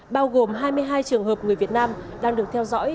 bao gồm hai mươi hai trường hợp người việt nam đang được theo dõi